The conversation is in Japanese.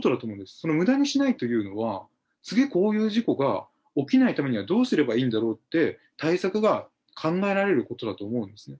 そのむだにしないというのは、次こういう事故が起きないためにはどうすればいいんだろうって対策が考えられることだと思うんですね。